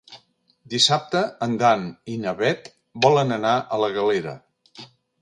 Dissabte en Dan i na Bet volen anar a la Galera.